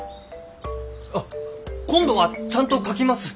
あっ今度はちゃんと描きます！